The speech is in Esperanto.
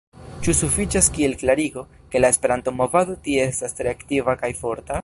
Ĉu sufiĉas kiel klarigo, ke la Esperanto-movado tie estas tre aktiva kaj forta?